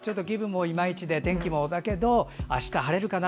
今日はちょっと気分もいまいちで天気もだけどあしたは晴れるかな。